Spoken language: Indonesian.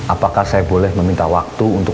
apakah saya boleh meminta waktu untuk